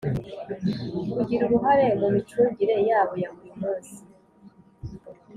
kugira uruhare mu micungire yabo yaburi musi